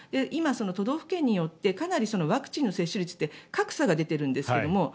今、都道府県によってかなりワクチンの接種率って格差が出ているんですけども。